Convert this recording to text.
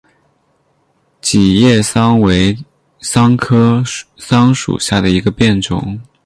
戟叶桑为桑科桑属下的一个变种。